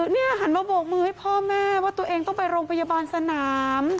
นี่หันมาโบกมือให้พ่อแม่ว่าตัวเองต้องไปโรงพยาบาลสนาม